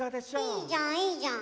いいじゃんいいじゃん。